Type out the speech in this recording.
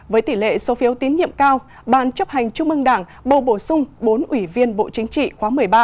với tỷ lệ số phiếu tín nhiệm cao ban chấp hành trung ương đảng bầu bổ sung bốn ủy viên bộ chính trị khóa một mươi ba